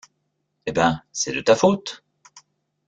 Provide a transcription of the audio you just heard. Eh ben, c’est de ta faute!